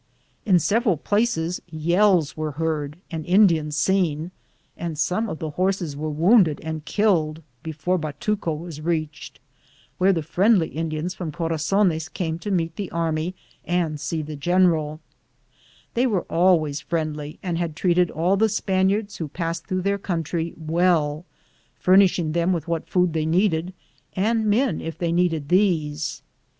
In several places yells were heard and Indians seen, and some of the horses were wounded and killed, before Batuco' was reached, where the friendly Indiana from Corazones came to meet the army and see the general They were always friendly and had treated all the Spaniards who passed through their country well, furnishing them with what food they needed, and men, if they needed these.